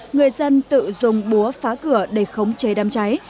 người dân tự dùng búa phá cửa để khống chế đám cháy